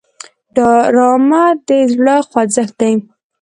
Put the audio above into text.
ډرامه د زړه خوځښت دی